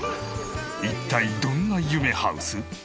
一体どんな夢ハウス？